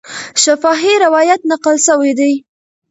شفاهي روایت نقل سوی دی.